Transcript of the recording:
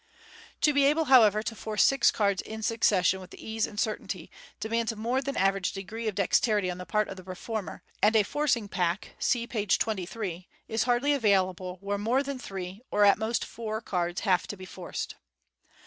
To be able, however, to force six cards in succession with ease and certainty, demands a more than average degree of dexterity on the part of the performer j and a " forcing pack " (seepage 23) is hardly available where more than three, or at most four cards have to be forced.